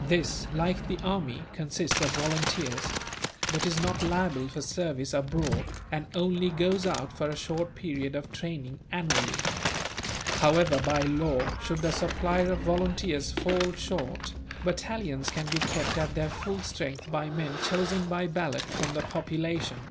This, like the army, consists of volunteers; but is not liable for service abroad, and only goes out for a short period of training, annually. However, by law, should the supply of volunteers fall short, battalions can be kept at their full strength by men chosen by ballot from the population.